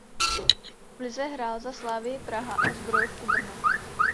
V lize hrál za Slavii Praha a Zbrojovku Brno.